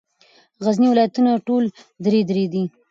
غرني ولایتونه ټول درې درې دي.